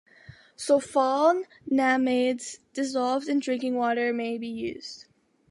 Sulfonamides dissolved in drinking water may be used.